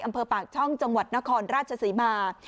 อำเภอปากช่องจังหวัดนครราชศรีมา